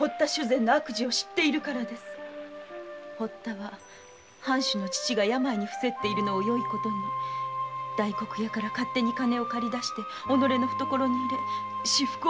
堀田は藩主の父が病でふせっているのをよい事に大黒屋から勝手に金を借り出して己の懐に入れ私腹を肥やしているのです。